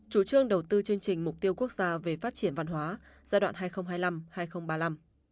chủ trương đầu tư chương trình mục tiêu quốc gia về phát triển văn hóa giai đoạn hai nghìn hai mươi năm hai nghìn ba mươi năm